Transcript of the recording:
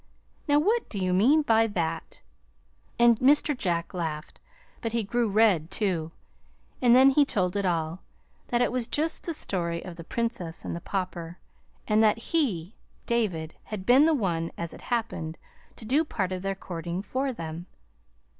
Now, what do you mean by that?" And Mr. Jack laughed, but he grew red, too, and then he told it all, that it was just the story of "The Princess and the Pauper," and that he, David, had been the one, as it happened, to do part of their courting for them.